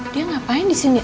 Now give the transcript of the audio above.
dia ngapain di sini